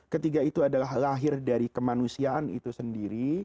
ketiga itu adalah lahir dari kemanusiaan itu sendiri